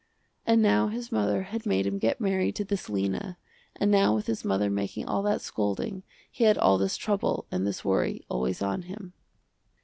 And now his mother had made him get married to this Lena and now with his mother making all that scolding, he had all this trouble and this worry always on him.